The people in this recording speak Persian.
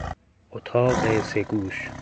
اتاق سه گوش